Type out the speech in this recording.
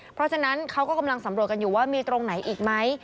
เพราะฉะนั้นเขาก็กำลังสำรวจกันอยู่ว่ามีตรงไหนอีกไหม